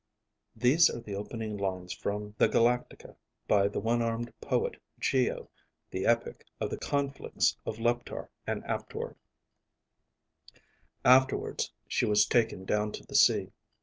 These are the opening lines from The Galactica, by the one armed poet Geo, the epic of the conflicts of Leptar and Aptor. PROLOGUE Afterwards, she was taken down to the sea.